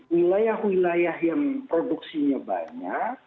wilayah wilayah yang produksinya banyak